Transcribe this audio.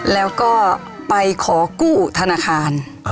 แล้วก็ไปขอกู้ธนาคาร